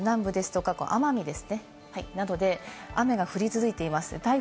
九州南部ですとか奄美などで雨が降り続いています。